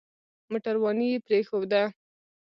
موټرواني يې پرېښوده.